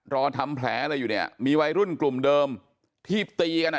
รอทำแผลอะไรอยู่เนี่ยมีวัยรุ่นกลุ่มเดิมที่ตีกันอ่ะ